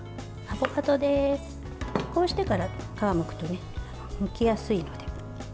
こうしてから皮をむくとむきやすいので。